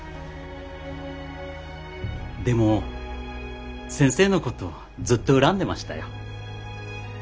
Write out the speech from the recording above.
でも先生のことずっと恨んでましたよ。